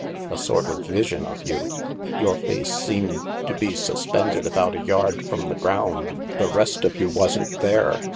A sort of vision of you. Your face seemed to be suspended about a yard from the ground. The rest of you wasn't there.